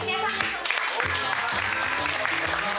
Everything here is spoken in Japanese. お願いします。